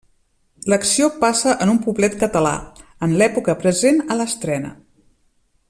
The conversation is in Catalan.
L'acció passa en un poblet català, en l'època present a l'estrena.